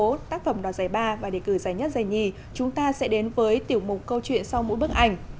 đó là công bố tác phẩm đoạt giải ba và đề cử giải nhất giải hai chúng ta sẽ đến với tiểu mục câu chuyện sau mỗi bức ảnh